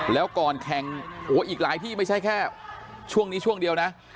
แล้วก่อนแข่งอีกหลายที่ไม่ใช่แค่ช่วงนี้ช่วงเดียวนะ